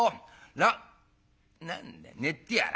ら何だ寝てやら。